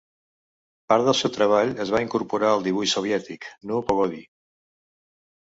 Part del seu treball es va incorporar al dibuix soviètic, Nu Pogodi!